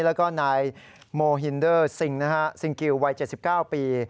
แล้วก็นายโมฮินเดอร์ซิงคิววัย๗๙ปี